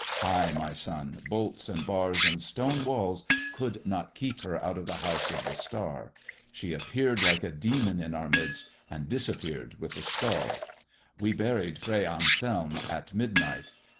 Ay, my son, bolts i bars and stone walls could not keep her out of the ] of the Star. She appeared like a demon in our midst, i disappeared with the skull. We bimed Fray Anselm i midnight.